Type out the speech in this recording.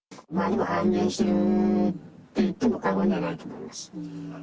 半減しているっていっても過言ではないと思います。